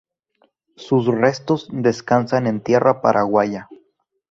Sus restos descansan en tierra paraguaya.